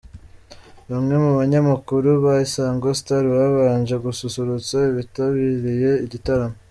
Bamwe mu banyamakuru ba Isango Star babanje gususurutsa abitabiriye igitaramo.